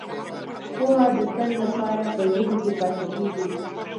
پوهه د تل لپاره په ذهن کې پاتې کیږي.